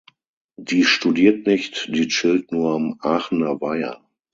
Die studiert nicht, die chillt nur am Aachener Weiher.